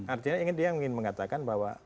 artinya dia ingin mengatakan bahwa